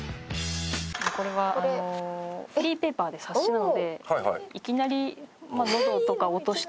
これはフリーペーパーで冊子なのでいきなりのどとか落としてもいいし。